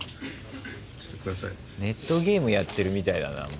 ネットゲームやってるみたいだな。